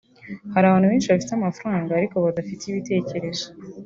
Hari abantu benshi bafite amafaranga ariko badafite ibitekerezo